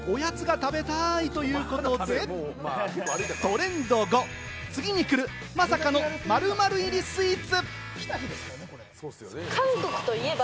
おやつが食べたい！ということで、トレンド５、次に来る、まさかの○○入りスイーツ。